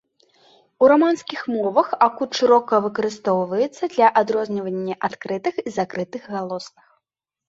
У раманскіх мовах акут шырока выкарыстоўваецца для адрознівання адкрытых і закрытых галосных.